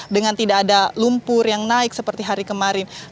dengan tidak ada lumpur yang naik seperti hari kemarin